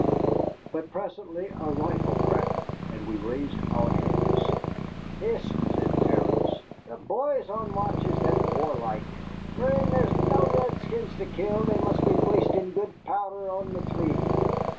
But presently a rifle cracked, and we raised our heads. "Hist!" said Terence, "the bhoys on watch is that warlike! Whin there's no redskins to kill they must be wastin' good powdher on a three."